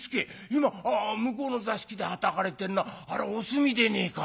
今向こうの座敷ではたかれてんのはあれおすみでねえか？